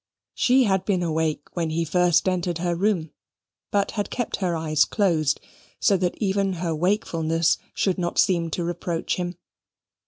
She had been awake when he first entered her room, but had kept her eyes closed, so that even her wakefulness should not seem to reproach him.